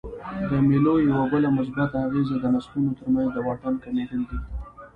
د مېلو یوه بله مثبته اغېزه د نسلونو ترمنځ د واټن کمېدل دي.